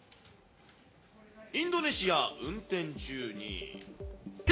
インドネシア、運転中に。